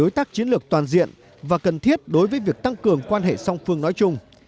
đối tác chiến lược toàn diện và cần thiết đối với việc tăng cường quan hệ song phương nói chung